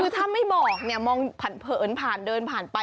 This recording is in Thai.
คือถ้าไม่บอกเนี่ยมองเผินผ่านเดินผ่านไป